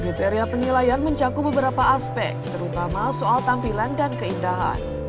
kriteria penilaian mencakup beberapa aspek terutama soal tampilan dan keindahan